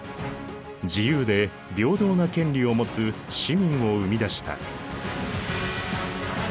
自由で平等な権利を持つ市民を生み出した。